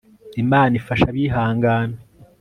imana ifasha abihangana